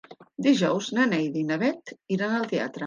Dijous na Neida i na Bet iran al teatre.